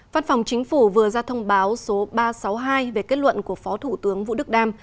văn phòng chính phủ vừa ra thông báo số ba trăm sáu mươi hai về kết luận của phó thủ tướng vũ đức đam